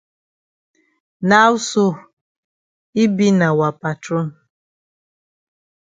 Now sl yi be na wa patron.